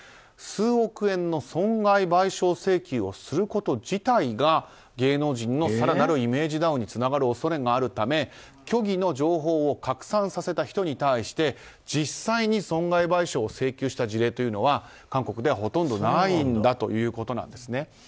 数億円の損害賠償請求をすること自体が芸能人の更なるイメージダウンにつながる恐れがあるため虚偽の情報を拡散させた人に対して実際に損害賠償を請求した事例は韓国ではほとんどないんだということです。